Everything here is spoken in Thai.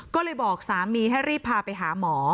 ก็เลยบอกสามีให้รีบพาไปหาหมอ